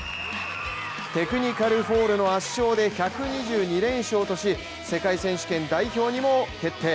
テクニカルフォールの圧勝で１２２連勝とし世界選手権代表にも決定